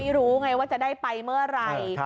รู้ไงว่าจะได้ไปเมื่อไหร่